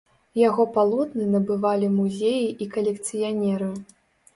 Яго палотны набывалі музеі і калекцыянеры.